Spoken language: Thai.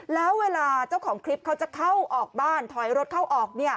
แล้วเวลาเจ้าของคลิปเขาจะเข้าออกบ้านถอยรถเข้าออก